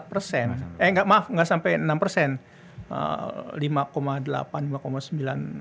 eh maaf gak sampai enam